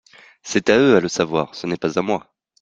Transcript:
C’est à eux à le savoir !… ce n’est pas à moi !…